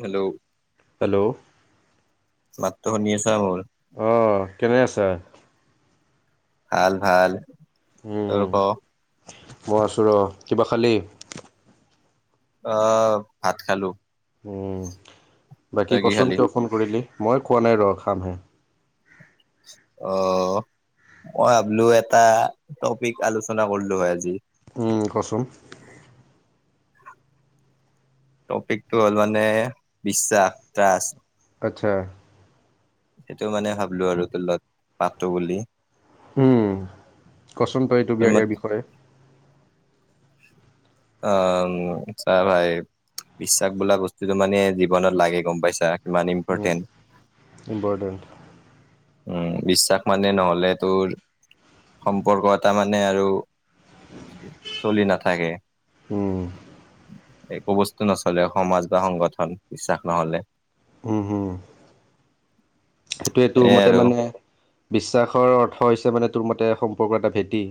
Hello. Hello. মাতটো শুনি আছা মোৰ? অহ কেনে আছা? ভাল ভাল উম তোৰ ক। মই আছোঁ ৰ কিবা খালি অ ভাত খালো। উম বাকী তই কি কচোন খালি কিয় ফোন কৰিলি মই খোৱা নাই ৰ খামহে। অহ মই ভাবিলো এটা টপিক আলোচনা কৰিলো হয় আজি। উম কচোন। টপিকটো হ'ল মানে বিশ্বাস ত্ৰাস। আচ্ছা। সেইটো মানে ভাবিলো আৰু তোৰ লগত পাতো বুলি। উম কচোন তই এইটো তোৰ বিয়া মত ইয়াৰ বিষয়ে। অ চা ভাই বিশ্বাস বোলা বস্তুতটো মানে জীৱনত লাগে, গম পাইছা? কিমান উম ইম্পৰ্টেণ্ট ইম্পৰ্টেণ্ট। উম বিশ্বাস মানে নহলে তোৰ সম্পৰ্ক এটা মানে আৰু চলি নাথাকে। উম। একো বস্তু নচলে সমাজ বা সংগঠন বিশ্বাস নহলে। উম হম। সেইটোৱে তোৰ এ মতে আৰু মানে বিশ্বাসৰ অৰ্থ হৈছে মানে তোৰ মতে সম্পৰ্ক এটা ভেটি।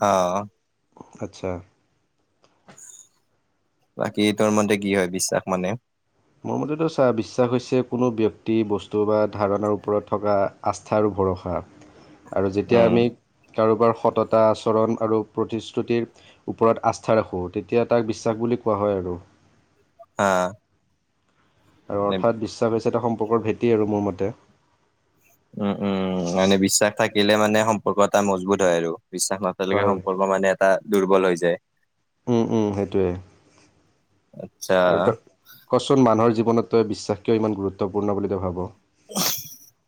অ। আচ্ছা। বাকী তোৰ মতে কি হয় বিশ্বাস মানে? মোৰ মতেতো চোৱা বিশ্বাস হৈছে কোনো ব্যক্তি বস্তু বা ধাৰণাৰ ওপৰত থকা আস্থাৰ। ল ভৰষা। [inaudible] আৰু যেতিয়া উম আমি কাৰোবাৰ সততা আচৰণ আৰু প্ৰতিশ্ৰুতিৰ ওপৰত আস্থা ৰাখোঁ তেতিয়া তাক বিশ্বাস বুলি কোৱা হয় আৰু। অ আৰু অৰ্থাৎ বিশ্বাস হৈছে এটা সম্পৰ্কৰ ভেটি আৰু মোৰ মতে। উম উম উ মানে বিশ্বাস থাকিলে মানে সম্পৰ্ক এটা মজবুত হয় আৰু। বিশ্বাস নাথাকিলে হয় সম্পৰ্ক মানে এটা দুৰ্বল হৈ যায়। উম উম সেইটোৱে আচ্ছা আৰু তই কচোন মানুহৰ জীৱনত তই বিশ্বাস কিয় ইমান গুৰুত্বপূৰ্ণ বুলি তই ভাব। [inaudible]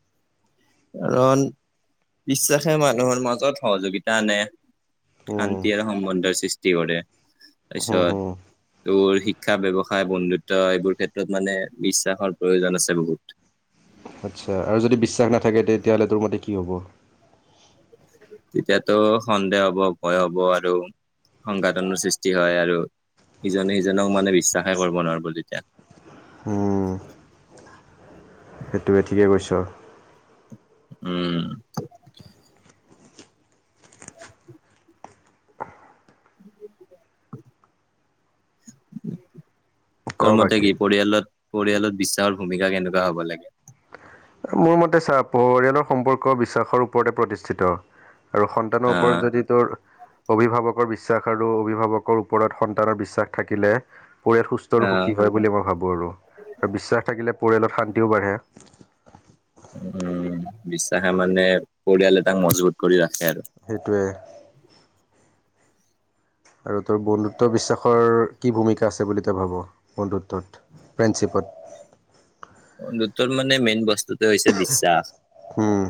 কাৰণ বিশ্বাসে মানুহৰ মাজত সহযোগিতা আনে। উম শান্তি আৰু সম্বন্ধৰ সৃষ্টি কৰে হুম তাৰপিছত হুম তোৰ শিক্ষা ব্যৱসায় বন্ধুত্ব এইবোৰ ক্ষেত্ৰত মানে বিশ্বাসৰ প্ৰয়োজন আছে বহুত। [inaudible] আচ্ছা আৰু যদি বিশ্বাস নাথাকে তেতিয়াহ'লে তোৰ মতে কি হ'ব? তেতিয়াতো সন্দেহ হ'ব ভয় হ'ব আৰু সংঘাতনৰ সৃষ্টি হয় আৰু ইজনে সিজনক মানে বিশ্বাসে কৰিব নোৱাৰিব তেতিয়া। হম সেইটোৱে ঠিকে কৈছ। উম। [unintelligible] তোৰ ক মতে বাকী কি পৰিয়ালত পৰিয়ালত বিশ্বাসৰ ভূমিকা কেনেকুৱা হ'ব লাগে মোৰ মতে ছা পৰিয়ালৰ সম্পৰ্ক বিশ্বাসৰ ওপৰতে প্ৰতিষ্ঠিত আৰু সন্তানৰ ওপৰত যদি তোৰ অভিভাৱকৰ বিশ্বাস আৰু অভিভাৱকৰ ওপৰত সন্তানৰ বিশ্বাস থাকিলে পৰিয়াল সুস্থ আৰু আহ সুখী হয় বুলি মই ভাবোঁ আৰু আৰু বিশ্বাস থাকিলে পৰিয়ালত শান্তিও বাঢ়ে। উম বিশ্বাসে মানে পৰিয়ালে তাক মজবুত কৰি ৰা সেইটোৱে। আৰু তোৰ বন্ধুত্ব বিশ্বাসৰ কি ভূমিকা আছে বুলি তই ভাব বন্ধুত্বত? ফ্ৰেণ্ডশিপত। [unintelligible] তোৰ মানে মেইন বস্তুটো হৈছে বিশ্বাস হুম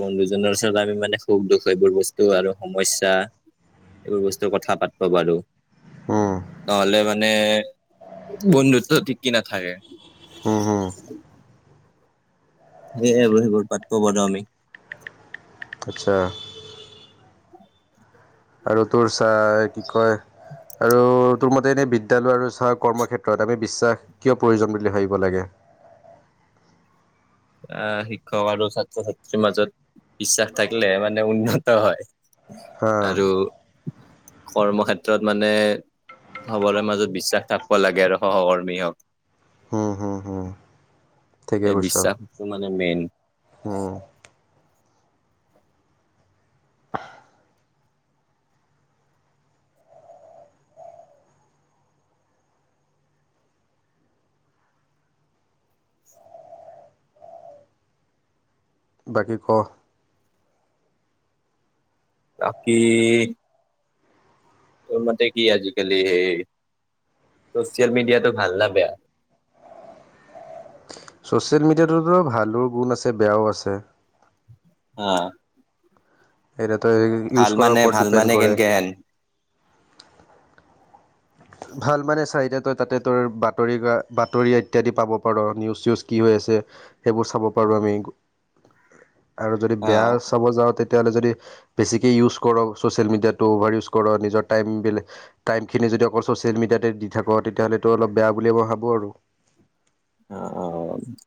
বন্ধুজনৰ ওচৰত আমি মানে সুখ দুখ এইবোৰ বস্তু আৰু সমস্যা এইবোৰ বস্তু কথা পাতব পাৰো হুম নহলে মানে বন্ধুত্ব ঠিকি নাথাকে হু হু [unintelligible] সেই বহিবোৰ পাতবো বদ আমি আচ্ছা [unintelligible] আৰু তোৰ চা কি কয়। আৰু তোৰ মতে এনে বিদ্যালয় আৰু ছাৰ কৰ্ম ক্ষেত্ৰত আমি বিশ্বাস, কিয় প্ৰয়োজন বুলি ভাবিব লাগে। [inaudible] আহ, শিক্ষক আৰু ছাত্ৰ ছাত্ৰীৰ মাজত বিশ্বাস থাকিলে মানে উন্নত হয়। হা আৰু কৰ্মক্ষেত্ৰত মানে। চবৰে মাজত বিশ্বাস থাকিব লাগে আৰু সহকৰ্মী হওক। হুম হুম হুম ঠিকে এ কৈছ বিশ্বাসটো মানে মেইন। উম বাকী ক। বাকী। তোৰ মতে কি আজিকালি সেই, ছ'চিয়েল মিডিয়াটো ভাল না বেয়া? ছ'চিয়েল মিডিয়াটোতো ভালো গুণ আছে, বেয়াও আছে। অ। সেইটোতো ইউজ কৰাৰ ওপৰত ভাল মানে ডিপেণ্ড কৰে। কেনকে হেন ভাল মানে চা এতিয়া তই তাতে তোৰ বাতৰি বাতৰি ইত্যাদি পাব পাৰ, নিউজ -চিউজ কি হৈ আছে। যে সেইবোৰ চাব পাৰো আমি। [inaudible] আৰু যদি বেয়া আহ চাব যাওঁ তে- তেতিয়াহলে যদি বেছিকে ইউজ কৰ চোচিয়েল মিডিয়াটো অভাৰ ইউজ কৰ, নিজৰ টাইমখিনি যদি। যদি অকল চচিয়েল মিডিয়াতে দি থাক, তেতিয়াহ'লেটো অলপ বেয়া বুলি মই ভাবো আৰু। অ অ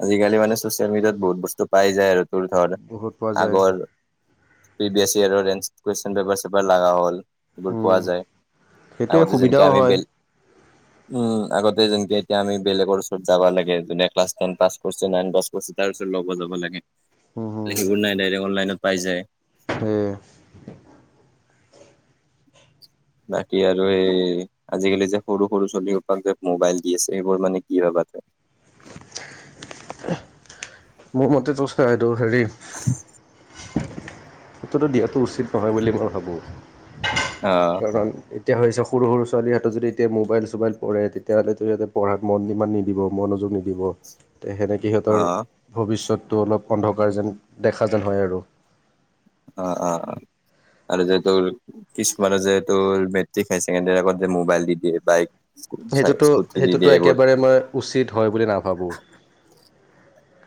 আজিকালি মানে চচিয়েল মিডিয়াত বহুত বস্তু পাই যায় আৰু। তোৰ ধৰ বহুত পোৱা যায় আগৰ প্ৰিভিয়াছ ইয়েৰৰ এঞ্চাৰ। কুৱেশ্যন পেপাৰ ছেপাৰ লাগা হ'ল। এইবোৰ পোৱা উম, যায় সেইটোৱে আগতে যেনেকে সুবিধাও আমি হয় বেল উম আগত এতিয়া যেনেকে এতিয়া আমি বেলেগৰ ওচৰত যাব লাগ যোনে ক্লাছ টেন পাছ কৰিছে নাইন কৰিছে তাৰ ওচৰত লব যাব লাগে, উম এ সেইবোৰ নাই ডাইৰেক অনলাইনত পাই যায়। সে বাকী আৰু এই আজিকালি যে সৰু সৰু ছলিসোপাক যে মোবাইল দি আছে সেইবোৰ মানে কি ভাব বাদ দে মোৰ মতেটো এইটো হেৰি সেইটোটো দিয়াটো উচিত নহয় বুলি মই ভাবোঁ। অ', কাৰণ এতিয়া হৈছে সৰু সৰু ছোৱালীৰহাতত যদি এতিয়া মোবাইল-চোবাইল পৰে তেতিয়াহ'লেতো ইহঁতে পঢ়াত মন ইমান নিদিব মনোযোগ নিদিব। তে সেনেকৈ সিহঁতৰ অ', ভৱিষ্যতটো অলপ অন্ধকাৰ যেন দেখা যেন হয় আৰু। অ অ অ আৰু যে তোৰ কিছুমানে যে তোৰ মেট্ৰিক হায় ছেকেণ্ডৰীৰ আগত যে মোবাইল দি দিয়ে বাইক সেইটোতো স্কুটি দি সেইটোতো দিয়ে এইবোৰ একেবাৰে মই উচিত হয় বুলি নাভাবোঁ।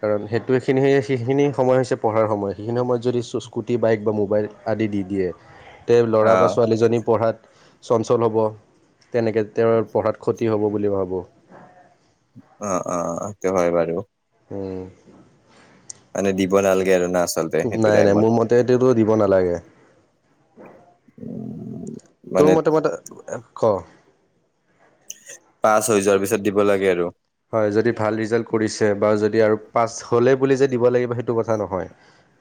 কাৰণ সেইটো এইখিনি সেইখিনি সময় হৈছে পঢ়াৰ সময় সেইখিনি সময়ত যদি স্কুটি বাইক বা মোবাইল আদি দি দিয়ে তেওঁৰ ল'ৰা বা অ', ছোৱালীজনী পঢ়াত চঞ্চল হ'ব, তেনেকে তেওঁৰ পঢ়াত ক্ষতি হ'ব বুলি ভাবোঁ। অ', অ', সেইটো হয় বাৰু। উম। মানে দিব নালাগে আৰু না আচলতে সেইটো নাই নাই টাইমত মোৰ মতে তেওটো দিব নালাগে। উম, তোৰ মানে মতে মতে, ক' পাছ হৈ যোৱাৰ পিছত দিব লাগে আৰু। হয় যদি ভাল ৰিজাল্ট কৰিছে বা যদি আৰু পাছ হ'লেই বুলি যে দিব লাগিব সেইটো কথা নহয়।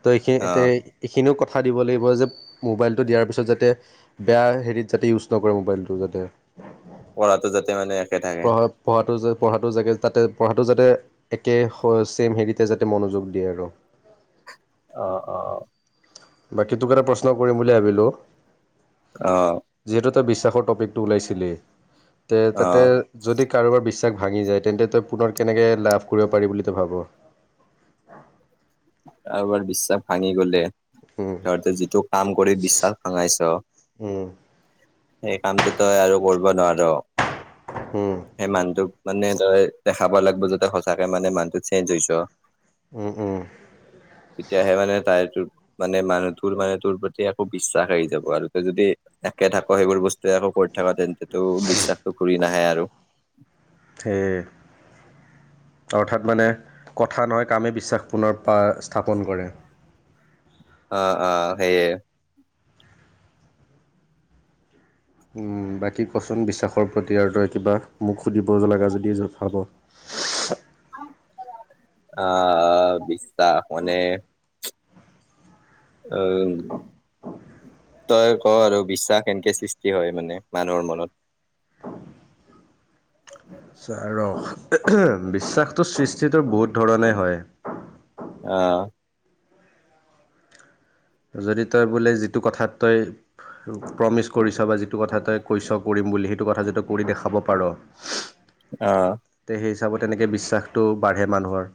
তো এইখিনিতে অ', এইখিনিও কথা দিব লাগিব যে মোবাইলটো দিয়াৰ পিছত যাতে বেয়া হেৰিত যাতে ইউজ নকৰে মোবাইলটো যাতে। পঢ়াটো যাতে মানে একে থাকে। পঢ়া পঢ়াটো যে পঢ়াটো যাগে তাতে পঢ়াটো যাতে একে চেম হেৰিতে যাতে মনোযোগ দিয়ে আৰু। অ', অ'। বাকী তোক এটা প্ৰশ্ন কৰিম বুলি ভাবিলোঁ। অহ। যিহেতু তই বিশ্বাসৰ তপিকটো ওলাইছিলি, তে তাতে অ', যদি কাৰোবাৰ বিশ্বাস টো ভাঙি যায় তেন্তে তই পুনৰ কেনেকে লাভ কৰিব পাৰি বুলি তই ভাব? আৰ বিশ্বাস ভাঙি গ'লে উম তহঁতে যিটো কাম কৰি বিশ্বাস ভঙাইছ উম সেই কামটো তই আৰু কৰিব নোৱাৰ। উম সেই মানুহটোক মানে ধৰ দেখাব লাগিব যাতে সচাঁকে মানে মানুহটো চেঞ্জ হৈছ উম উম। তেতিয়াহে মানে তাই ত মানে মানুহতোৰ মানে তোৰ প্ৰতি একো বিশ্বাস আহি যাব, আৰু তই যদি একে থাক সেইবোৰ বস্তুৱে আকৌ কৰি থকা তেন্তেটো বিশ্বাসটো ঘূৰি নাহে আৰু। সেয়ে অৰ্থাৎ মানে কথা নহয় কামে বিশ্বাস পুনৰ প স্থাপন কৰে। অ', অ', সেয়ে। উম বাকী কচোন বিশ্বাসৰ প্ৰতি আৰু তই কিবা মোক সুধিব লগা যদি ভাব? [inaudible] আহ বিশ্বাস মানে আহ। তই ক' আৰু বিশ্বাস কেনেকে সৃষ্টি হয় মানে মানুহৰ মনত? [inaudible] ৰ বিশ্বাসটোৰ সৃষ্টিটো বহুত ধৰণেই হয়। আহ। যদি তই বোলে যিটো কথাত তই প্ৰমিচ কৰিছ বা যিটো কথা তই কৈছ কৰিম বুলি সেইটো কথা যদি তই কৰি দেখাব পাৰ আহ তে সেই হিচাপত তেনেকৈ বিশ্বাসটো বাঢ়ে মানুহৰ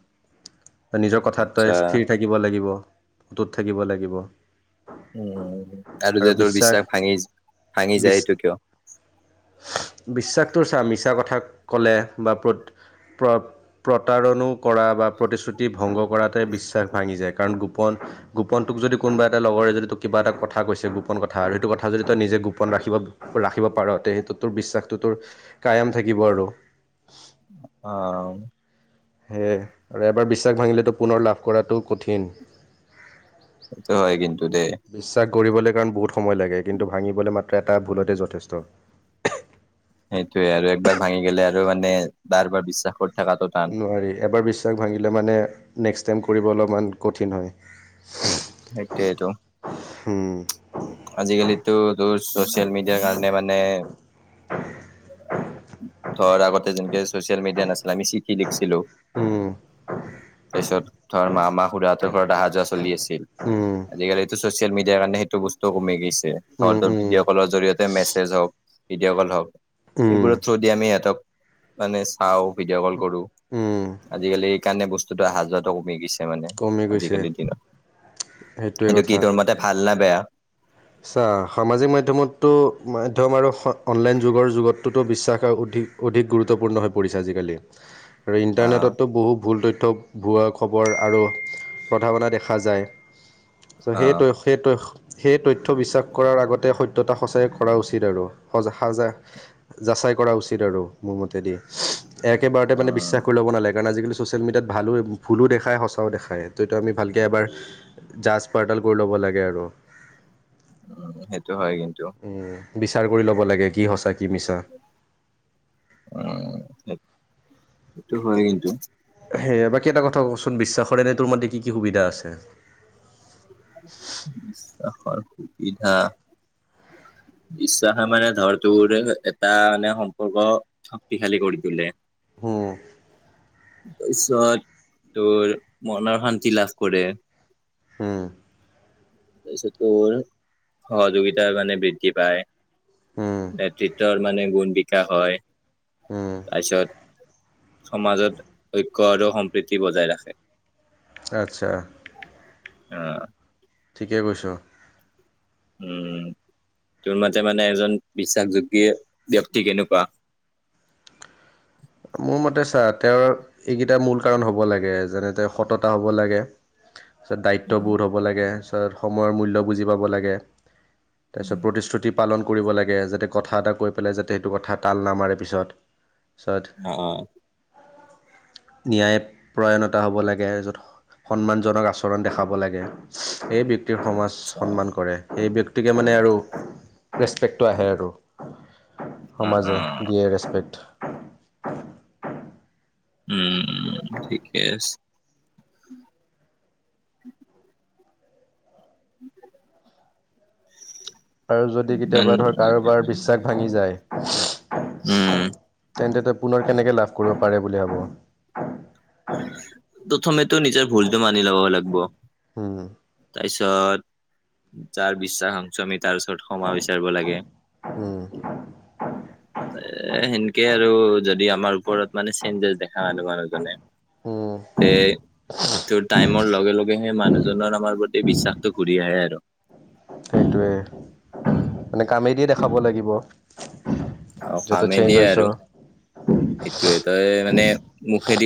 নিজৰ, কথাত তই আচ্ছা স্থিৰ থাকিব লাগিব। অটোত থাকিব লাগিব। উম আৰু যে তোৰ বিশ্বাস ভাঙি ভাঙি যায় এইটো কিয়? বিশ্বাসটোৰ চা মিছা কথা ক'লে বা প্ৰ প্ৰতাৰণো কৰা বা প্ৰতিশ্ৰুতি ভংগ কৰাত বিশ্বাস ভাঙি যায় গোপন গোপনটোক যদি কোনোবা এটা লগৰে যদি তোক কিবা এটা কথা কৈছে গোপন কথা আৰু সেইটো কথা যদি তই নিজে গোপন ৰাখিব ৰাখিব পাৰ সেইটো তোৰ বিশ্বাসতটো তোৰ কায়ম থাকিব আৰু আহ। সেয়ে আৰু এবাৰ বিশ্বাস ভাঙিলেতো পুনৰ লাভ কৰাটো কঠিন। সেইটো হয় কিন্তু দে বিশ্বাস কৰিবলৈ কাৰণ বহুত সময় লাগে কিন্তু ভাঙিবলৈ মাত্ৰ এটা ভুলতে যথেষ্ট। সেইটোৱে আৰু একবাৰ ভাঙি গলে আৰু মানে বাৰ বাৰ বিশ্বাস কৰি। থকাটো টান। নোৱাৰি এবাৰ বিশ্বাস ভাঙিলে মানে নেক্স টাইম। কৰিব অলপমান কঠিন হয় হুোহ। সেইটোৱে টো। হুম। আজিকালিতো তোৰ ছ'চিয়েল মিডিয়াৰ কাৰণে মানে। [unintelligible] ধৰ আগতে যেনেকে ছ'চিয়েল মিডিয়া নাছিলে আমি চিঠি লিখিছিলোঁ। উম। তাৰপিছত ধৰ মামা খুৰাহঁতৰ ঘৰত অহা যোৱা চলি আছিল। উম, আজিকালিতো ছচিয়েল মিডিয়াৰ কাৰণে সেইটো বস্তু কমি গৈছে উম, নহলেতো উম, ভিডিঅ' কলৰ জৰিয়তে মেছেজ হওঁক। ভিডিঅ' কল হওক। উম। যদি আমি হঁতক মানে চাওঁ ভিডিঅ' কল কৰোঁ। উম, আজিকালি এই কাৰণে বস্তুটো অহা যোৱাতো কমি গৈছে। এ মানে কমি গৈছে আজিকালিৰ দিনত সেইটোৱে কিন্তু কি তোৰ মতে ভাল নে বেয়া। আচ্ছা সামাজিক মাধ্যমতো মাধ্যম আৰু অনলাইন যুগৰ যুগতোতো বিশ্বাস অ। অধিক গুৰুত্বপূৰ্ণ হৈ পৰিছে আজিকালি আৰু আহ ইণ্টাৰনেটতো বহু ভুল ত। থ্য ভুৱা খবৰ টিং আৰু প্ৰধাৱনা দেখা যায়। চৌ' আহ সেইটোৱে সেইটোৱে সেইটোৱে। তথ্য বিশ্বাস কৰাৰ আগতে সত্যতা সঁচাই কৰা উচিত আৰু সজ সজাই যাচাই কৰা উচিত। আৰু মোৰ মতে দি এক এবাৰতে মানে উম বিশ্বাস কৰি ল'ব নালাগে কাৰণ আজিকালি। ছ'চিয়েল মিডিয়াত ভালো ভুলো দেখায় সঁচাও দেখায় ততটো আমি ভালকে এবাৰ। জাজ পাৰডাল কৰি ল'ব লাগে আৰু। সেইটো হয় কিন্তু। উম বিচাৰ কৰি ল'ব লাগে কি সঁচাক কি মিছা এইটো হয় কিন্ত। সেয়ে বাকী এটা কথা কচোন বিশ্বাস কৰে ন তোৰ মতেে কি কি সুবিধা আছে। বিশ্বাসৰ কি সুবিধা বিশ্বাসে মানে ধৰ তোৰ এটা মানে সম্পৰ্ক শক্তিশালী কৰি তোলে। উম। তাৰ পিছত তোৰ মনৰ শান্তি লাভ কৰে হম। তাৰ পিছত তোৰ সহযোগিতাৰ মানে বৃদ্ধি পায় উম নেতৃত্বৰ মানে গুণ বিকাশ হয়। উম তাৰপিছত। সমাজত ঐক্য আৰু সম্প্ৰীতি বজাই ৰাখে। আচ্ছা। অ। ঠিকে কৈছোঁ। উম। তোৰ মতে মানে এজন বিশ্বাসযোগ্য ব্যক্তি কেনেকুৱা। উ [unintelligible] মোৰ মতে চা তেওঁৰ এইকেইটা মূল কাৰণ হব লাগে যেনেকে সততা হব লাগে উ [unintelligible] তাৰপিছত দায়িত্ববোধ হ'ব লাগে তাৰপিছত সময়ৰ মূল্য বুজি পাব লাগে তাৰপিছত উম, প্ৰতিশ্ৰুতি পালন কৰিব লাগে যাতে কথা এটা কৈ পেলাই যাতে সেইটো কথা তাল নামাৰে পিছত পিছত অ অ। ন্যায় প্ৰয়ণতা হ'ব লাগে য'ত সন্মানজনক আচৰণ দেখাব লাগে এই ব্যক্তিৰ সমাজ আচ্ছা সন্মান কৰে। সেই ব্যক্তিকে মানে আৰু ৰেচপেক্টটো আহে আৰু। অ অ সমাজে দিয়ে ৰেচপেক্ট। [unintelligible] উম ঠিকে আছে। [inaudible] [unintelligible] আৰু যদি ইমান কেতিয়াবা ধৰ কাৰোবাৰ বিশ্বাস ভাঙি যায়। উম তেন্তে তই পুনৰ কেনেকে লাভ কৰিব পাৰে বুলি ভাব। প্ৰথমে। টো নিজৰ ভুলতো মানি ল'ব লাগিব উম তাৰপিছত। যাৰ বিশ্বাস সংশমিত। তাৰপিছত ক্ষমা বিচাৰিব লাগে উম এ সেনেকে আৰু। আৰু যদি আমাৰ ওপৰত মানে চেঞ্জেছ দেখা নাযাব মানুহজনে। উম তে তোৰ টাইমৰ লগে লগে। হে মানুহজনৰ আমাৰ প্ৰতি বিশ্বাসটো ঘূৰি আহে আৰু। সেইটোৱে মানে কামেদি দেখাব লাগিব। অ যে তই কামে চেঞ্জ দিয়ে আৰু হৈছ এইটো তই মানে মুখেদিওঁ।